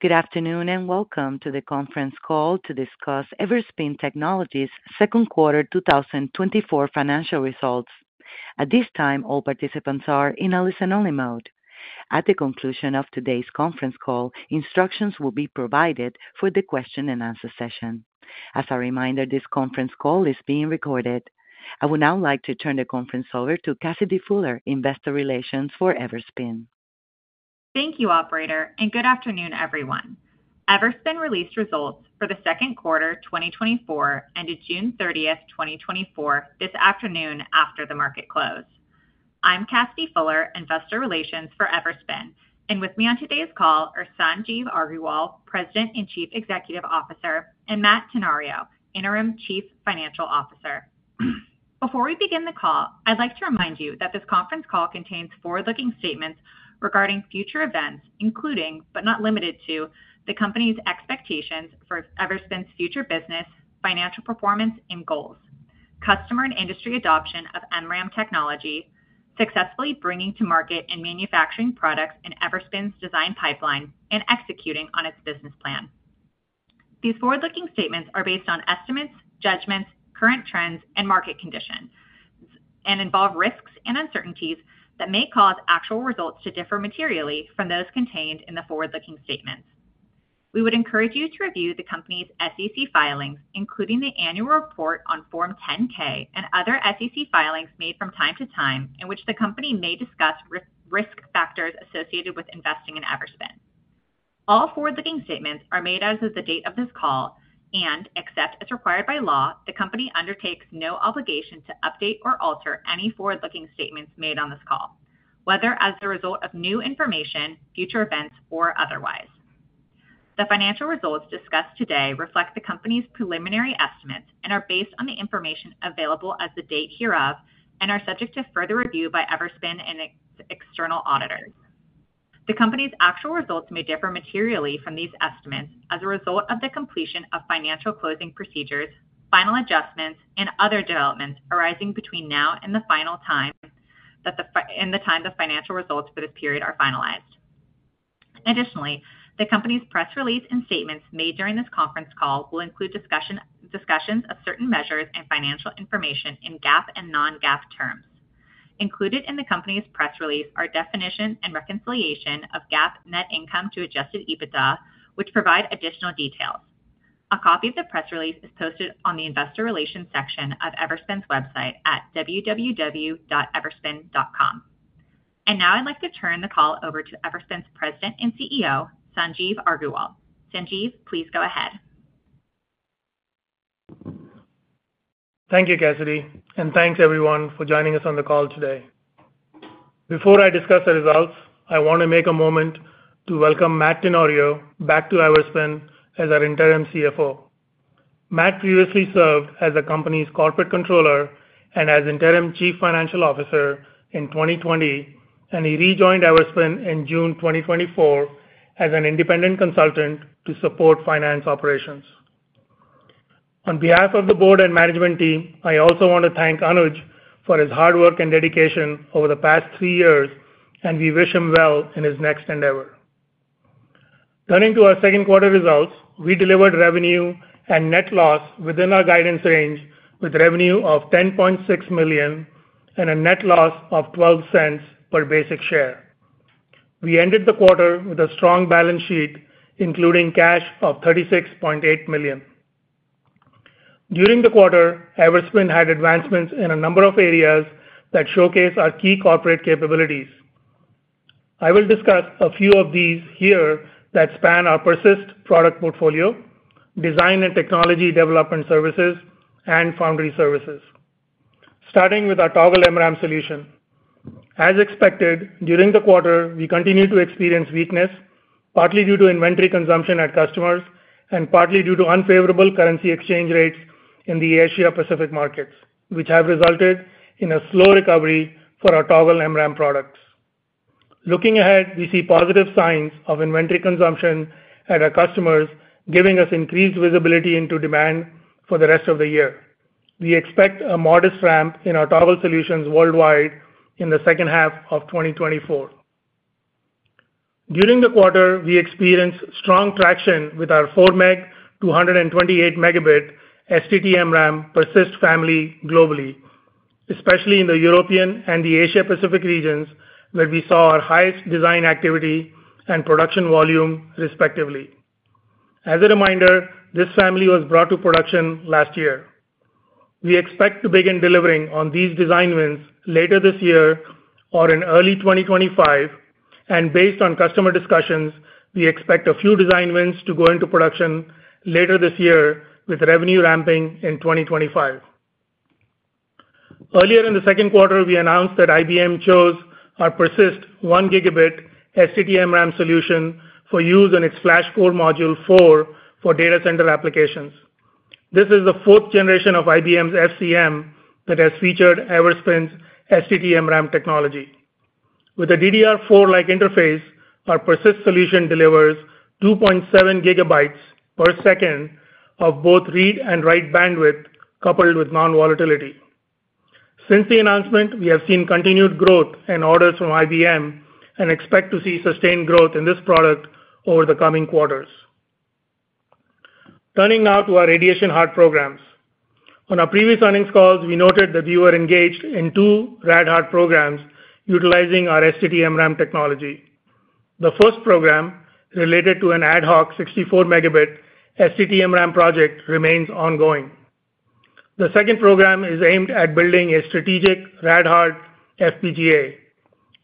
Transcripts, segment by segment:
Good afternoon and welcome to the conference call to discuss Everspin Technologies' second quarter 2024 financial results. At this time, all participants are in a listen-only mode. At the conclusion of today's conference call, instructions will be provided for the question-and-answer session. As a reminder, this conference call is being recorded. I would now like to turn the conference over to Cassidy Fuller, Investor Relations for Everspin. Thank you, Operator, and good afternoon, everyone. Everspin released results for the second quarter 2024 ended June 30, 2024, this afternoon after the market close. I'm Cassidy Fuller, Investor Relations for Everspin, and with me on today's call are Sanjeev Aggarwal, President and Chief Executive Officer, and Matt Tenorio, Interim Chief Financial Officer. Before we begin the call, I'd like to remind you that this conference call contains forward-looking statements regarding future events, including, but not limited to, the company's expectations for Everspin's future business, financial performance, and goals, customer and industry adoption of NRAM technology, successfully bringing to market and manufacturing products in Everspin's design pipeline, and executing on its business plan. These forward-looking statements are based on estimates, judgments, current trends, and market conditions, and involve risks and uncertainties that may cause actual results to differ materially from those contained in the forward-looking statements. We would encourage you to review the company's SEC filings, including the annual report on Form 10-K and other SEC filings made from time to time in which the company may discuss risk factors associated with investing in Everspin. All forward-looking statements are made as of the date of this call and, except as required by law, the company undertakes no obligation to update or alter any forward-looking statements made on this call, whether as the result of new information, future events, or otherwise. The financial results discussed today reflect the company's preliminary estimates and are based on the information available as of the date hereof and are subject to further review by Everspin and external auditors. The company's actual results may differ materially from these estimates as a result of the completion of financial closing procedures, final adjustments, and other developments arising between now and the final time and the time the financial results for this period are finalized. Additionally, the company's press release and statements made during this conference call will include discussions of certain measures and financial information in GAAP and non-GAAP terms. Included in the company's press release are definition and reconciliation of GAAP net income to Adjusted EBITDA, which provide additional details. A copy of the press release is posted on the Investor Relations section of Everspin's website at www.everspin.com. And now I'd like to turn the call over to Everspin's President and CEO, Sanjeev Aggarwal. Sanjeev, please go ahead. Thank you, Cassidy, and thanks, everyone, for joining us on the call today. Before I discuss the results, I want to take a moment to welcome Matt Tenorio back to Everspin as our Interim CFO. Matt previously served as the company's Corporate Controller and as Interim Chief Financial Officer in 2020, and he rejoined Everspin in June 2024 as an independent consultant to support finance operations. On behalf of the board and management team, I also want to thank Anuj for his hard work and dedication over the past three years, and we wish him well in his next endeavor. Turning to our second quarter results, we delivered revenue and net loss within our guidance range with revenue of $10.6 million and a net loss of $0.12 per basic share. We ended the quarter with a strong balance sheet, including cash of $36.8 million. During the quarter, Everspin had advancements in a number of areas that showcase our key corporate capabilities. I will discuss a few of these here that span our PERSYST product portfolio, design and technology development services, and foundry services, starting with our Toggle MRAM solution. As expected, during the quarter, we continued to experience weakness, partly due to inventory consumption at customers and partly due to unfavorable currency exchange rates in the Asia-Pacific markets, which have resulted in a slow recovery for our Toggle MRAM products. Looking ahead, we see positive signs of inventory consumption at our customers, giving us increased visibility into demand for the rest of the year. We expect a modest ramp in our Toggle solutions worldwide in the second half of 2024. During the quarter, we experienced strong traction with our 4Mb to 128Mb STT-MRAM PERSYST family globally, especially in the European and the Asia-Pacific regions, where we saw our highest design activity and production volume, respectively. As a reminder, this family was brought to production last year. We expect to begin delivering on these design wins later this year or in early 2025, and based on customer discussions, we expect a few design wins to go into production later this year with revenue ramping in 2025. Earlier in the second quarter, we announced that IBM chose our PERSYST 1Gb STT-MRAM solution for use on its FlashCore Module 4 for data center applications. This is the fourth generation of IBM's FCM that has featured Everspin's STT-MRAM technology. With a DDR4-like interface, our PERSYST solution delivers 2.7 GB/s of both read and write bandwidth, coupled with non-volatility. Since the announcement, we have seen continued growth in orders from IBM and expect to see sustained growth in this product over the coming quarters. Turning now to our Radiation Hardened programs. On our previous earnings calls, we noted that you were engaged in two RadHard programs utilizing our STT-MRAM technology. The first program related to an ad hoc 64 MB STT-MRAM project remains ongoing. The second program is aimed at building a strategic RadHard FPGA.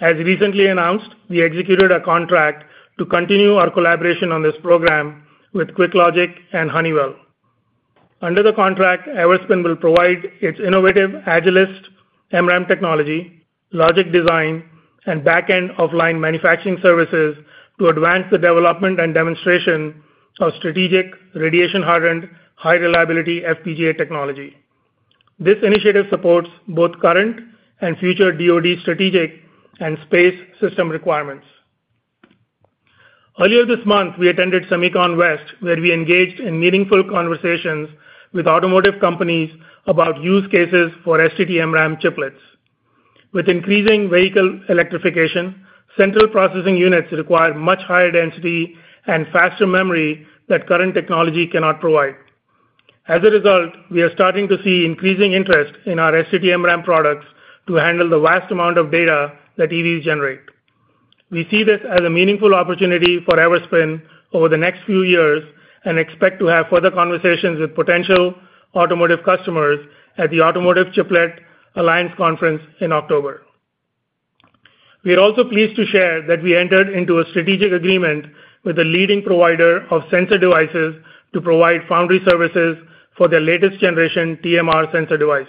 As recently announced, we executed a contract to continue our collaboration on this program with QuickLogic and Honeywell. Under the contract, Everspin will provide its innovative AgILYST MRAM technology, logic design, and back-end offline manufacturing services to advance the development and demonstration of strategic radiation hardened high-reliability FPGA technology. This initiative supports both current and future DoD strategic and space system requirements. Earlier this month, we attended SEMICON West, where we engaged in meaningful conversations with automotive companies about use cases for STT-MRAM chiplets. With increasing vehicle electrification, central processing units require much higher density and faster memory that current technology cannot provide. As a result, we are starting to see increasing interest in our STT-MRAM products to handle the vast amount of data that EVs generate. We see this as a meaningful opportunity for Everspin over the next few years and expect to have further conversations with potential automotive customers at the Automotive Chiplet Alliance Conference in October. We are also pleased to share that we entered into a strategic agreement with a leading provider of sensor devices to provide foundry services for their latest generation TMR sensor device.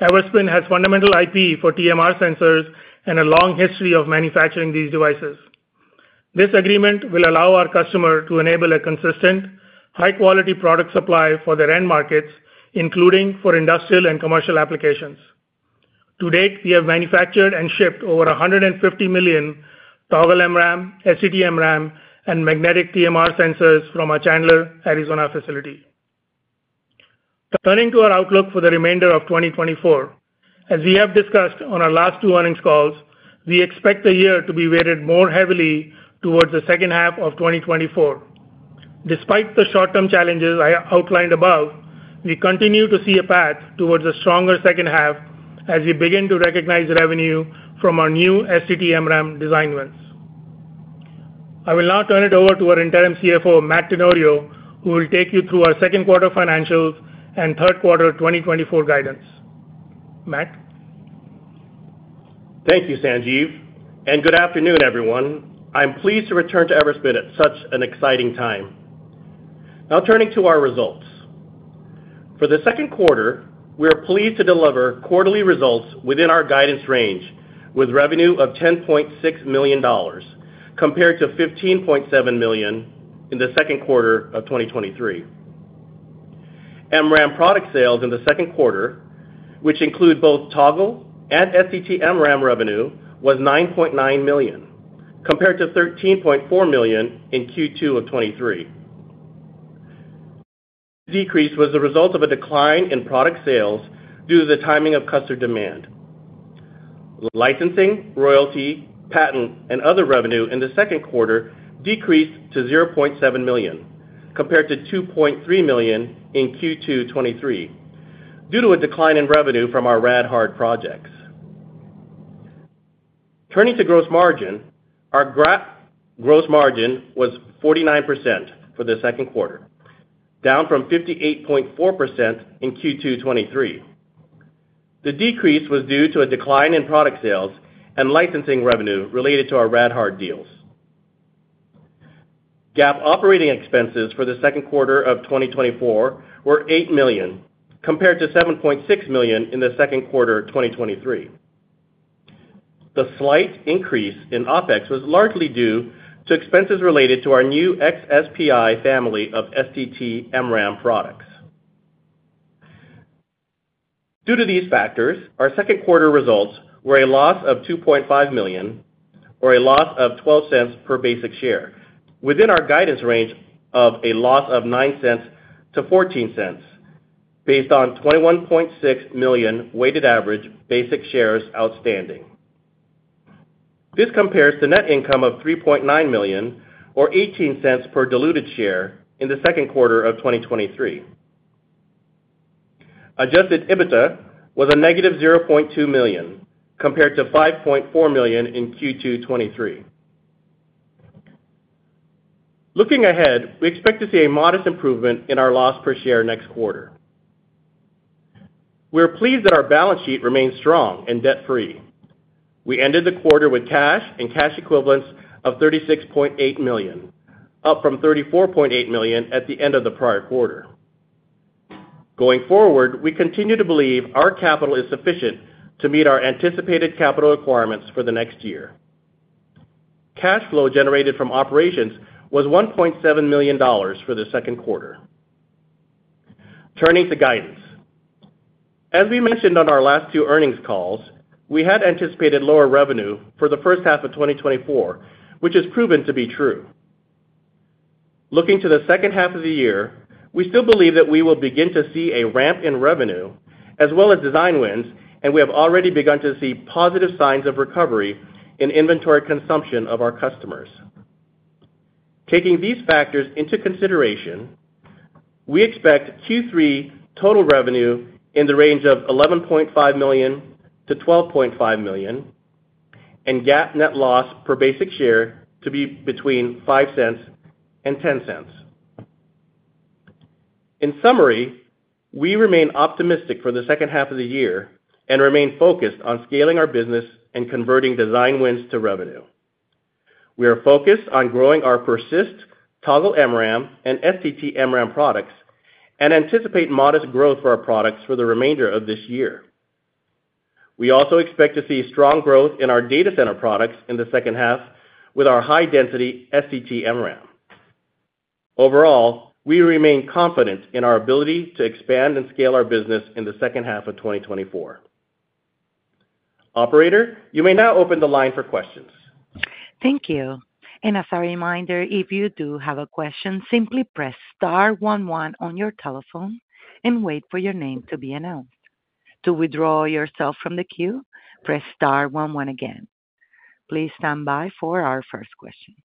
Everspin has fundamental IP for TMR sensors and a long history of manufacturing these devices. This agreement will allow our customer to enable a consistent, high-quality product supply for their end markets, including for industrial and commercial applications. To date, we have manufactured and shipped over 150 million Toggle MRAM, STT-MRAM, and magnetic TMR sensors from our Chandler, Arizona facility. Turning to our outlook for the remainder of 2024, as we have discussed on our last two earnings calls, we expect the year to be weighted more heavily towards the second half of 2024. Despite the short-term challenges I outlined above, we continue to see a path towards a stronger second half as we begin to recognize revenue from our new STT-MRAM design wins. I will now turn it over to our Interim CFO, Matt Tenorio, who will take you through our second quarter financials and third quarter 2024 guidance. Matt? Thank you, Sanjeev. And good afternoon, everyone. I'm pleased to return to Everspin at such an exciting time. Now, turning to our results. For the second quarter, we are pleased to deliver quarterly results within our guidance range with revenue of $10.6 million compared to $15.7 million in the second quarter of 2023. MRAM product sales in the second quarter, which include both Toggle and STT-MRAM revenue, was $9.9 million compared to $13.4 million in Q2 of 2023. This decrease was the result of a decline in product sales due to the timing of customer demand. Licensing, royalty, patent, and other revenue in the second quarter decreased to $0.7 million compared to $2.3 million in Q2 2023 due to a decline in revenue from our RadHard projects. Turning to gross margin, our gross margin was 49% for the second quarter, down from 58.4% in Q2 2023. The decrease was due to a decline in product sales and licensing revenue related to our RadHard deals. GAAP operating expenses for the second quarter of 2024 were $8 million compared to $7.6 million in the second quarter of 2023. The slight increase in OpEx was largely due to expenses related to our new xSPI family of STT-MRAM products. Due to these factors, our second quarter results were a loss of $2.5 million or a loss of $0.12 per basic share within our guidance range of a loss of $0.09-$0.14 based on 21.6 million weighted average basic shares outstanding. This compares to net income of $3.9 million or $0.18 per diluted share in the second quarter of 2023. Adjusted EBITDA was a negative $0.2 million compared to $5.4 million in Q2 2023. Looking ahead, we expect to see a modest improvement in our loss per share next quarter. We're pleased that our balance sheet remains strong and debt-free. We ended the quarter with cash and cash equivalents of $36.8 million, up from $34.8 million at the end of the prior quarter. Going forward, we continue to believe our capital is sufficient to meet our anticipated capital requirements for the next year. Cash flow generated from operations was $1.7 million for the second quarter. Turning to guidance. As we mentioned on our last two earnings calls, we had anticipated lower revenue for the first half of 2024, which has proven to be true. Looking to the second half of the year, we still believe that we will begin to see a ramp in revenue as well as design wins, and we have already begun to see positive signs of recovery in inventory consumption of our customers. Taking these factors into consideration, we expect Q3 total revenue in the range of $11.5 million-$12.5 million and GAAP net loss per basic share to be between $0.05 and $0.10. In summary, we remain optimistic for the second half of the year and remain focused on scaling our business and converting design wins to revenue. We are focused on growing our PERSYST, Toggle MRAM, and STT-MRAM products and anticipate modest growth for our products for the remainder of this year. We also expect to see strong growth in our data center products in the second half with our high-density STT-MRAM. Overall, we remain confident in our ability to expand and scale our business in the second half of 2024. Operator, you may now open the line for questions. Thank you. As a reminder, if you do have a question, simply press star one one on your telephone and wait for your name to be announced. To withdraw yourself from the queue, press star one one again. Please stand by for our first question.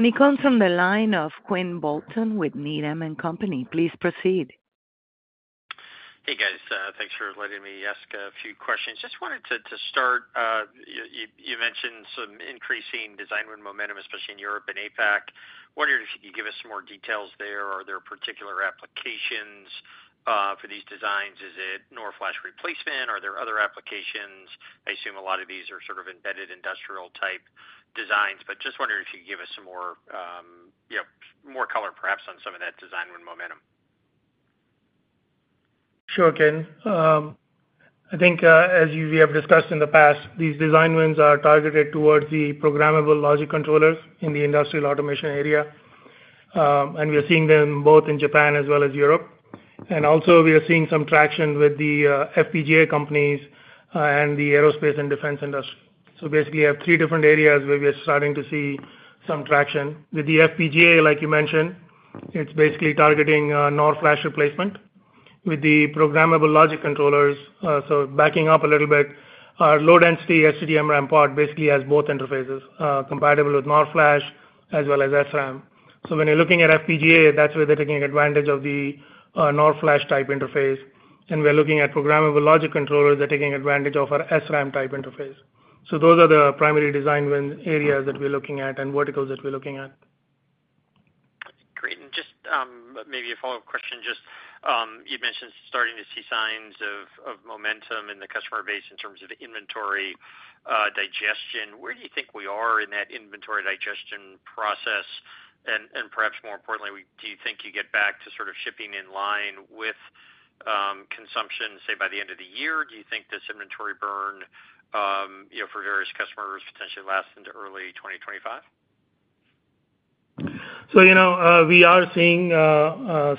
He comes from the line of Quinn Bolton with Needham & Company. Please proceed. Hey, guys. Thanks for letting me ask a few questions. Just wanted to start. You mentioned some increasing design win momentum, especially in Europe and APAC. Wondered if you could give us some more details there. Are there particular applications for these designs? Is it NOR Flash replacement? Are there other applications? I assume a lot of these are sort of embedded industrial-type designs, but just wondering if you could give us some more color, perhaps, on some of that design win momentum. Sure, Quinn. I think, as we have discussed in the past, these design wins are targeted towards the programmable logic controllers in the industrial automation area. We are seeing them both in Japan as well as Europe. Also, we are seeing some traction with the FPGA companies and the aerospace and defense industry. Basically, we have three different areas where we are starting to see some traction. With the FPGA, like you mentioned, it's basically targeting NOR Flash replacement. With the programmable logic controllers, so backing up a little bit, our low-density STT-MRAM part basically has both interfaces compatible with NOR Flash as well as SRAM. So when you're looking at FPGA, that's where they're taking advantage of the NOR Flash type interface. We're looking at programmable logic controllers that are taking advantage of our SRAM type interface. Those are the primary design win areas that we're looking at and verticals that we're looking at. Great. And just maybe a follow-up question. You mentioned starting to see signs of momentum in the customer base in terms of inventory digestion. Where do you think we are in that inventory digestion process? And perhaps more importantly, do you think you get back to sort of shipping in line with consumption, say, by the end of the year? Do you think this inventory burn for various customers potentially lasts into early 2025? So we are seeing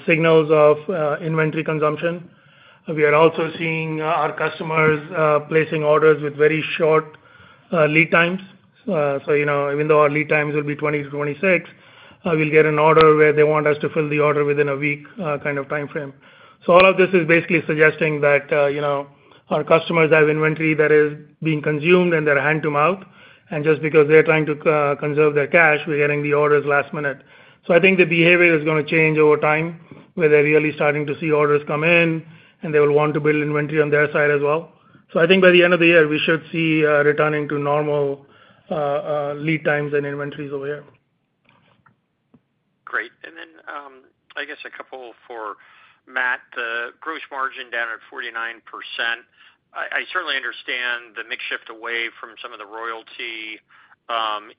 signals of inventory consumption. We are also seeing our customers placing orders with very short lead times. So even though our lead times will be 20-26, we'll get an order where they want us to fill the order within a week kind of time frame. So all of this is basically suggesting that our customers have inventory that is being consumed and they're hand-to-mouth. And just because they're trying to conserve their cash, we're getting the orders last minute. So I think the behavior is going to change over time where they're really starting to see orders come in, and they will want to build inventory on their side as well. So I think by the end of the year, we should see returning to normal lead times and inventories over here. Great. And then I guess a couple for Matt. The gross margin down at 49%. I certainly understand the mix shift away from some of the royalty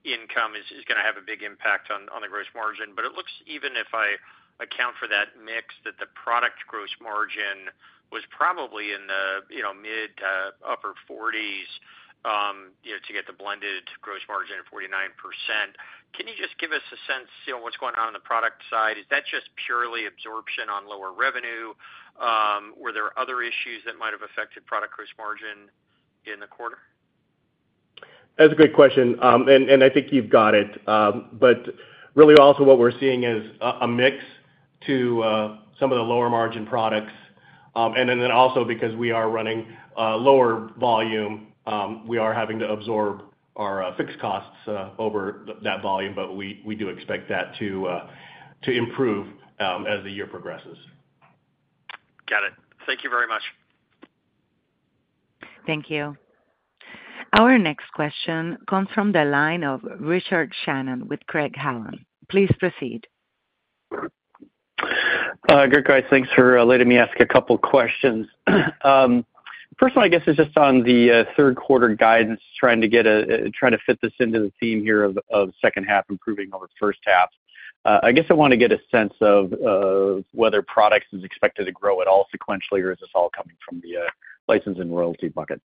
income is going to have a big impact on the gross margin. But it looks, even if I account for that mix, that the product gross margin was probably in the mid to upper 40s to get the blended gross margin at 49%. Can you just give us a sense of what's going on on the product side? Is that just purely absorption on lower revenue? Were there other issues that might have affected product gross margin in the quarter? That's a great question. And I think you've got it. But really, also what we're seeing is a mix to some of the lower margin products. And then also, because we are running lower volume, we are having to absorb our fixed costs over that volume. But we do expect that to improve as the year progresses. Got it. Thank you very much. Thank you. Our next question comes from the line of Richard Shannon with Craig-Hallum. Please proceed. Great, guys. Thanks for letting me ask a couple of questions. First one, I guess, is just on the third quarter guidance, trying to fit this into the theme here of second half improving over first half. I guess I want to get a sense of whether products are expected to grow at all sequentially, or is this all coming from the license and royalty bucket?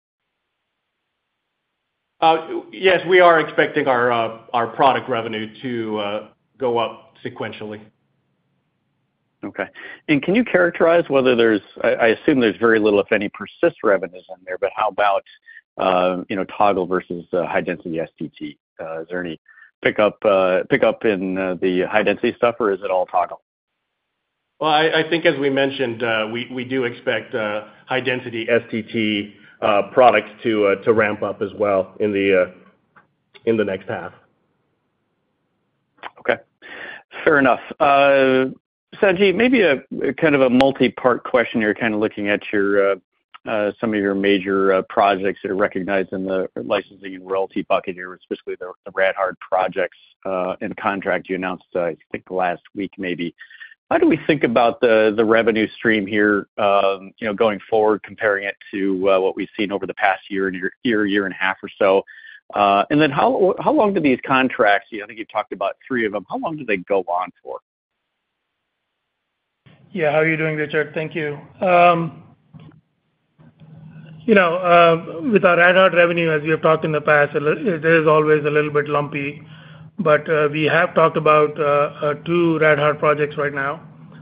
Yes, we are expecting our product revenue to go up sequentially. Okay. And can you characterize whether there's, I assume there's very little, if any, PERSYST revenues in there, but how about Toggle versus high-density STT? Is there any pickup in the high-density stuff, or is it all Toggle? Well, I think, as we mentioned, we do expect high-density STT products to ramp up as well in the next half. Okay. Fair enough. Sanjeev, maybe kind of a multi-part question. You're kind of looking at some of your major projects that are recognized in the licensing and royalty bucket here, specifically the RadHard projects and contract you announced, I think, last week maybe. How do we think about the revenue stream here going forward, comparing it to what we've seen over the past year, year and a half or so? And then how long do these contracts—I think you've talked about three of them—how long do they go on for? Yeah. How are you doing there, Richard? Thank you. With our RadHard revenue, as we have talked in the past, it is always a little bit lumpy. But we have talked about two RadHard projects right now.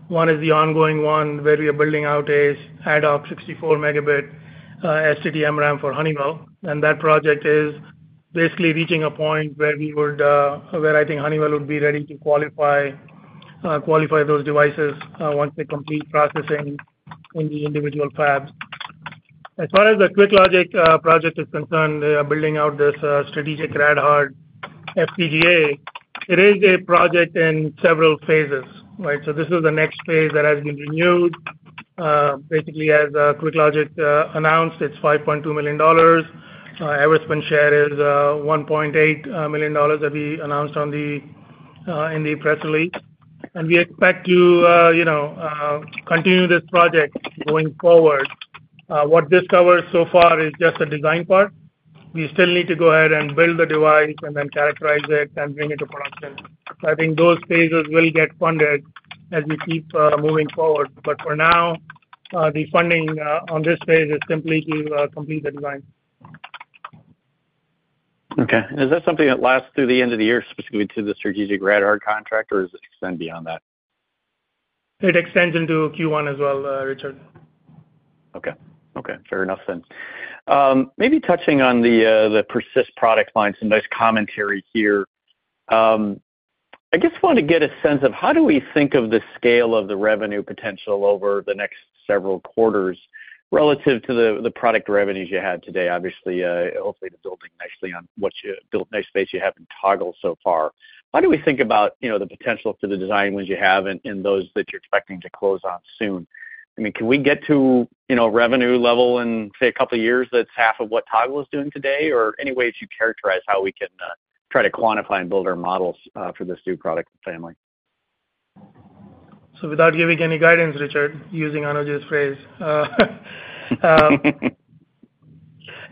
One is the ongoing one where we are building out is RadHard 64-megabit STT-MRAM for Honeywell. And that project is basically reaching a point where I think Honeywell would be ready to qualify those devices once they complete processing in the individual fabs. As far as the QuickLogic project is concerned, building out this strategic RadHard FPGA, it is a project in several phases. So this is the next phase that has been renewed. Basically, as QuickLogic announced, it's $5.2 million. Our spend share is $1.8 million that we announced in the press release. And we expect to continue this project going forward. What this covers so far is just the design part. We still need to go ahead and build the device and then characterize it and bring it to production. So I think those phases will get funded as we keep moving forward. But for now, the funding on this phase is simply to complete the design. Okay. And is that something that lasts through the end of the year, specifically to the strategic RadHard contract, or does it extend beyond that? It extends into Q1 as well, Richard. Okay. Okay. Fair enough then. Maybe touching on the PERSYST product line, some nice commentary here. I guess I want to get a sense of how do we think of the scale of the revenue potential over the next several quarters relative to the product revenues you had today? Obviously, hopefully, they're building nicely on what nice space you have in Toggle so far. How do we think about the potential for the design wins you have in those that you're expecting to close on soon? I mean, can we get to revenue level in, say, a couple of years that's half of what Toggle is doing today? Or any way to characterize how we can try to quantify and build our models for this new product family? So without giving any guidance, Richard, using Anuj's phrase,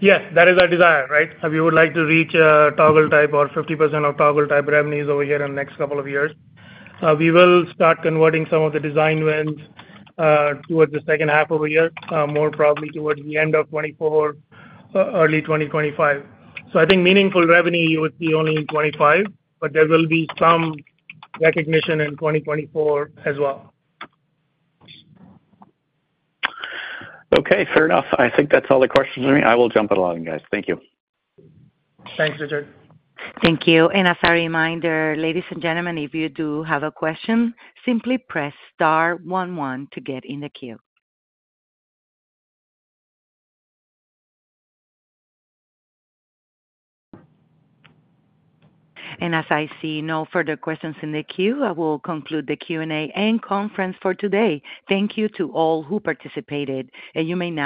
yes, that is our desire, right? We would like to reach Toggle type or 50% of Toggle type revenues over here in the next couple of years. We will start converting some of the design wins towards the second half of the year, more probably towards the end of 2024, early 2025. So I think meaningful revenue would be only in 2025, but there will be some recognition in 2024 as well. Okay. Fair enough. I think that's all the questions for me. I will jump it along, guys. Thank you. Thanks, Richard. Thank you. As a reminder, ladies and gentlemen, if you do have a question, simply press star one one to get in the queue. As I see no further questions in the queue, I will conclude the Q&A and conference for today. Thank you to all who participated. You may now.